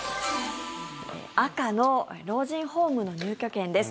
赤の老人ホームの入居権です。